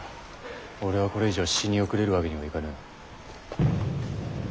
俺はこれ以上死に後れるわけにはいかぬ。